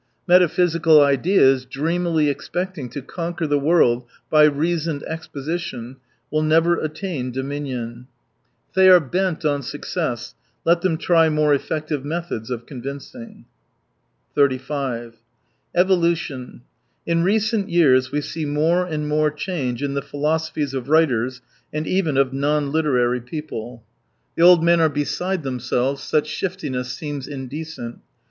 Metaphysical ideas, dreamily expecting to conquer the world by reasoned exposition, will never attain dominion. If they are bent on success, kt them try more effective methods of convincing. 35 Evolution. — In recent years we see more and more change in the philosophies of writers and even of non literary people* 2ia The old men are beside themselves — such shiftiness seems indecent.